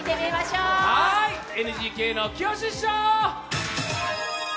ＮＧＫのきよし師匠！